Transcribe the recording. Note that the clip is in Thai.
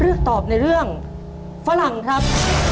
เลือกตอบในเรื่องฝรั่งครับ